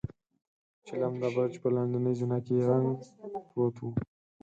چيلم د برج په لاندنۍ زينه کې ړنګ پروت و.